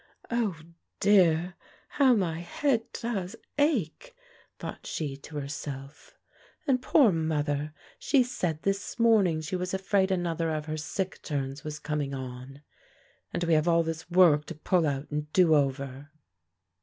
"O, dear, how my head does ache!" thought she to herself; "and poor mother! she said this morning she was afraid another of her sick turns was coming on, and we have all this work to pull out and do over."